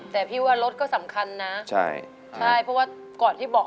แต่พี่ว่ารถก็สำคัญนะใช่ใช่เพราะว่าก่อนที่บอก